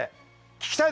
聞きたい！